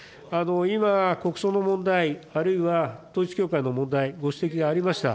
今、国葬の問題、あるいは統一教会の問題、ご指摘がありました。